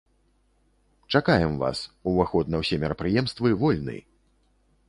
Чакаем вас, уваход на ўсе мерапрыемствы вольны!